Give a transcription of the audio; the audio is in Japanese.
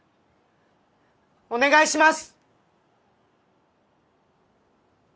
お願いします！